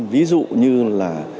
ví dụ như là